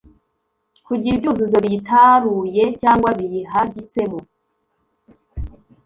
kugira ibyuzuzo biyitaruye cyangwa biyihagitsemo